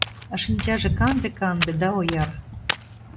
А шинчаже канде-канде да ояр.